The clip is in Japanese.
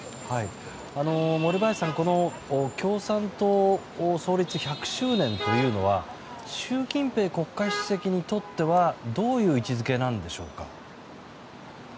森林さん、共産党の創立１００周年というのは習近平国家主席にとってはどういう位置づけなんでしょうか。